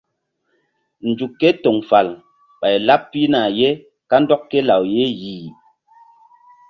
Nzuk ké toŋ fal ɓay laɓ pihna ye kandɔk ké law ye yih.